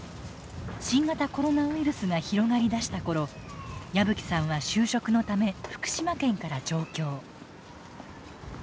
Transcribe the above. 新型コロナウイルスが広がりだした頃矢吹さんは就職のため福島県から上京。